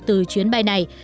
từ chuyến bay này